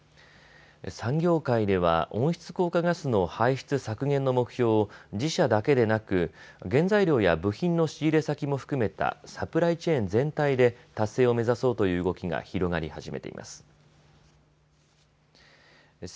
産業界では温室効果ガスの排出削減の目標を自社だけでなく原材料や部品の仕入れ先も含めたサプライチェーン全体で達成を目指そうという動きが広がり始めています。